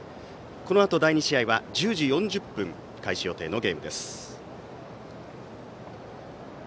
このあと第２試合は１０時４０分開始予定のゲームです。